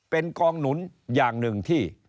เป็นกองหนุนอย่างหนึ่งที่